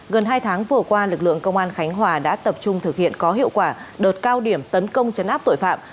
gần hai tháng vừa qua lực lượng công an khánh hòa đã tập trung thực hiện có hiệu quả đợt cao điểm tấn công chấn áp tội phạm